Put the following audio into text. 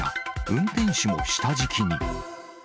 運転手も下敷きに。